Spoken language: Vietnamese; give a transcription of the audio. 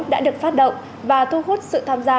đã được phát động và thu hút sự tham gia